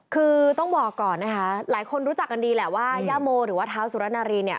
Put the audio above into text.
คือต้องบอกก่อนนะคะหลายคนรู้จักกันดีแหละว่าย่าโมหรือว่าเท้าสุรนารีเนี่ย